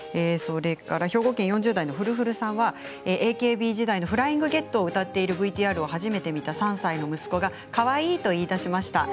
兵庫県４０代の方は「フライングゲット」歌っているＶＴＲを初めて見た３歳の息子がかわいいと言いだしました。